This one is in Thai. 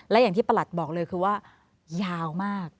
และอย่างที่ประหลัดบอกเลยคือว่ายาวมาก